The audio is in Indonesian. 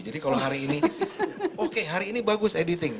jadi kalau hari ini oke hari ini bagus editing